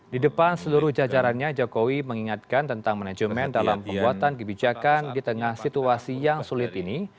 di depan seluruh jajarannya jokowi mengingatkan tentang manajemen dalam pembuatan kebijakan di tengah situasi yang sulit ini